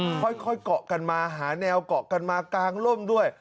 อืมค่อยค่อยเกาะกันมาหาแนวก่อกันมากลางร่มด้วย